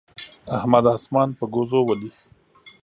احمد اسمان په ګوزو ولي.